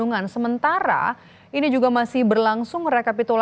untuk partai pan di dapil banten ii